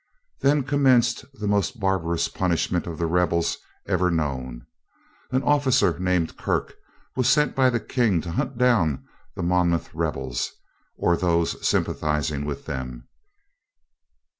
Then commenced the most barbarous punishment of rebels ever known. An officer named Kirk was sent by the king to hunt down the Monmouth rebels, or those sympathizing with them.